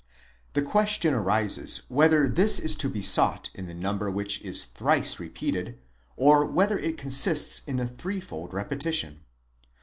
'The question arises whether this is to be sought in the number which is thrice repeated, or whether it consists in the threefold repetition?